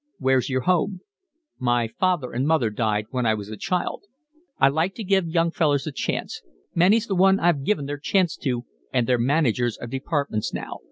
"Where's your home?" "My father and mother died when I was a child." "I like to give young fellers a chance. Many's the one I've given their chance to and they're managers of departments now.